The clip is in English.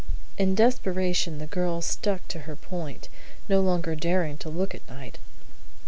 In desperation the girl stuck to her point, no longer daring to look at Knight.